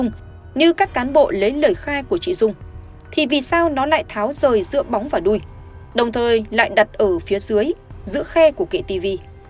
nhưng các cán bộ lấy lời khai của chị dung thì vì sao nó lại tháo rời giữa bóng và đuôi đồng thời lại đặt ở phía dưới khe của kệ tv